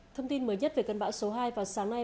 thông tin mới nhất về cơn bão số hai vào sáng nay